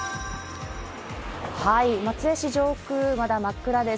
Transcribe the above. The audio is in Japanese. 松江市上空、まだ真っ暗です